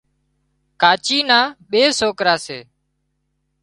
ڪاچي نا ٻي سوڪرا سي